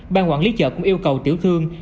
ban quản lý chợ cũng yêu cầu tiểu thương